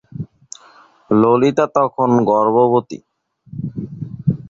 ললিতা তখন গর্ভবতী।